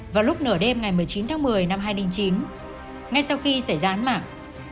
vào lúc nửa đêm ngày một mươi chín tháng một mươi năm hai nghìn chín ngay sau khi xảy ra án mạng